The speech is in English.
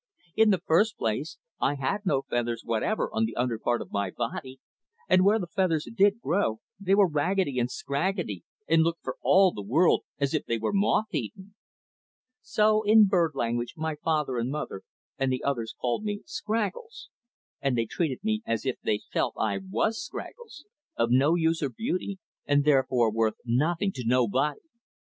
In the first place I had no feathers whatever on the under part of my body, and where the feathers did grow they were raggedy and scraggedy and looked for all the world as if they were moth eaten. So in bird language my father and mother and the others all called me Scraggles, and they treated me as if they felt I was Scraggles of no use or beauty, and therefore worth "nothing to nobody."